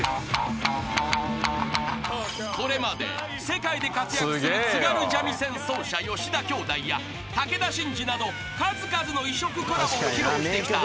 ［これまで世界で活躍する津軽三味線奏者吉田兄弟や武田真治など数々の異色コラボを披露してきた］